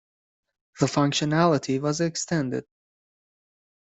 The functionality was extended.